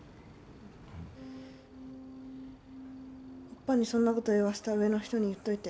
オッパにそんなこと言わせた上の人に言っといて。